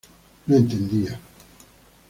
No entendía.